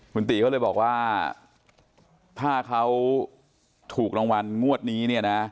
คุณตีเขาเลยบอกว่าถ้าเขาถูกรางวัลงวดนี้เนี่ยนะ